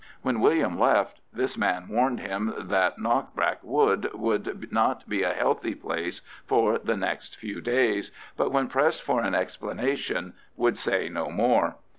When William left, this man warned him that Knockbrack Wood would not be a healthy place for the next few days, but when pressed for an explanation would say no more.